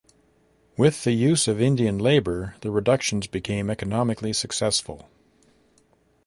With the use of Indian labour, the reductions became economically successful.